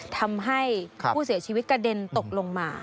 ทำให้ผู้เสียชีวิตกระเด็นตกลงมา